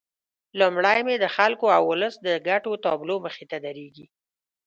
لومړی مې د خلکو او ولس د ګټو تابلو مخې ته درېږي.